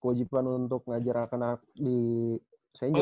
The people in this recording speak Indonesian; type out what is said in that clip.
kewajiban untuk ngajar akan di sengjon